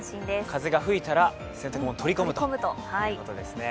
風が吹いたら洗濯物取り込むということですね。